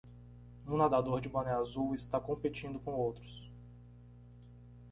Um nadador de boné azul está competindo com outros.